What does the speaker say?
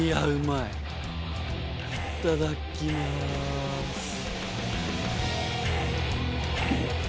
いっただっきます。